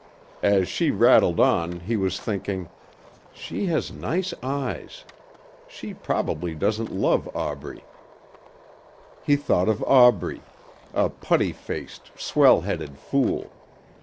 As she rattled on he was thinking, "She has nice eyes. She probably doesn't love Aubrey." He thought of Aubrey. A putty faced, swell headed fool.